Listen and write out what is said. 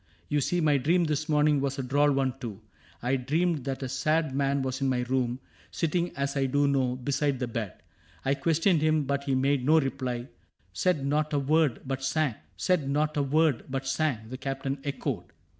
You see My dream this morning was a droll one too: I dreamed that a sad man was in my room. Sitting, as I do now, beside the bed. I questioned him, but he made no reply, — Said not a word, but sang." —" Said not a word. But sang," the Captain echoed.